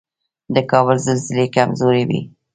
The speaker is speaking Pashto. د کابل زلزلې کمزورې وي